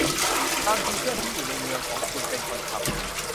บางทีเพื่อนที่อยู่ในเมืองของคุณเป็นคนทำ